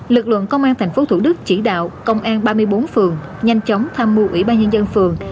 lực lượng công an tp thủ đức chỉ đạo công an ba mươi bốn phường nhanh chóng tham mưu ủy ban nhân dân phường